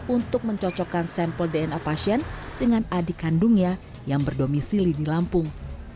untuk mencocokkan sampel dna pasien dengan adik kandungnya yang berdomisili di lampung